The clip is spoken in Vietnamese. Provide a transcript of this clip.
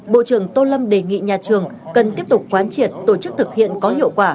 bộ trường tôn lâm đề nghị nhà trường cần tiếp tục quan triệt tổ chức thực hiện có hiệu quả